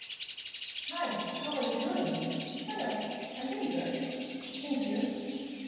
They lie south of a second fault line running from Ballantrae towards Dunbar.